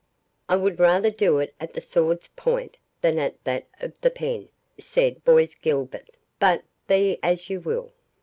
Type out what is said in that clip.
"I would rather do it at the sword's point than at that of the pen," said Bois Guilbert; "but be it as you will."